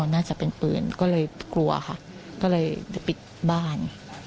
น่าจะเป็นปืนก็เลยกลัวค่ะก็เลยปิดบ้าน